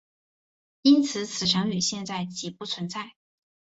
因此此词语现在几不存在。